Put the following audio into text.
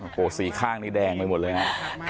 โอ้โหสี่ข้างนี่แดงไปหมดเลยฮะ